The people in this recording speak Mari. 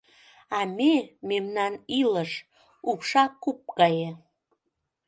А ме, мемнан илыш Упша куп гае...